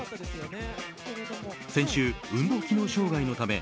先週、運動機能障害のため